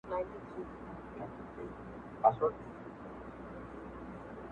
o د ځان صفت بې عقل سړى کوي!